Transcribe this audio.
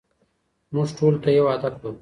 موږ ټولو ته يو هدف لرو.